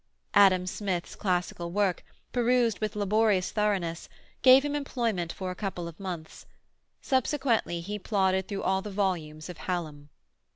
Adam Smith's classical work, perused with laborious thoroughness, gave him employment for a couple of months; subsequently he plodded through all the volumes of Hallam.